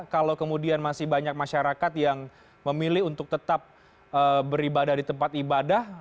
kalau kemudian masih banyak masyarakat yang memilih untuk tetap beribadah di tempat ibadah